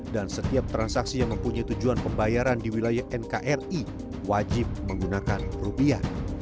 dan setiap transaksi yang mempunyai tujuan pembayaran di wilayah nkri wajib menggunakan rupiah